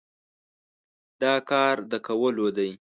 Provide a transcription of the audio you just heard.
دا کار د کولو دی؟